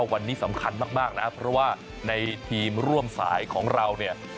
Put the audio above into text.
วันนี้สำคัญมากนะเพราะว่าในทีมร่วมสายของเราเนี่ย